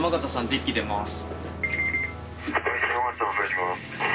デッキ出ます。